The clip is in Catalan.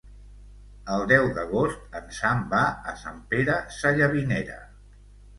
El deu d'agost en Sam va a Sant Pere Sallavinera.